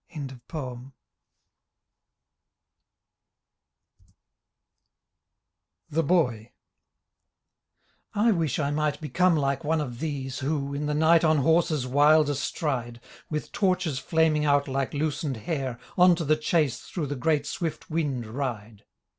13 THE BOY I wish I might become Hke one of these Who, in the night on horses wild astride. With torches flaming out Hke loosened hair On to the chase through the great swift wind ride.